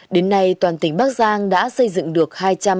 đến nay toàn tỉnh bắc giang đã xây dựng được